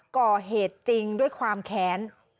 ก่อเหตุจริงด้วยความแค้น